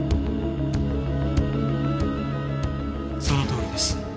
そのとおりです。